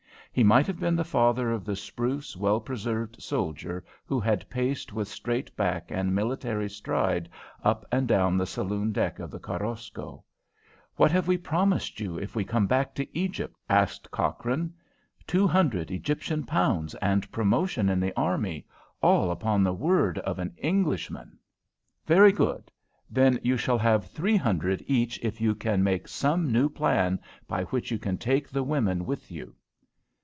He might have been the father of the spruce, well preserved soldier who had paced with straight back and military stride up and down the saloon deck of the Korosko. "What have we promised you if we come back to Egypt?" asked Cochrane. "Two hundred Egyptian pounds and promotion in the army, all upon the word of an Englishman." "Very good. Then you shall have three hundred each if you can make some new plan by which you can take the women with you."